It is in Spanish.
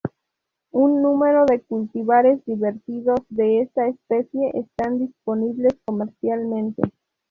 Un número de cultivares derivados de esta especie están disponibles comercialmente.